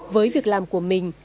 với việc làm của mình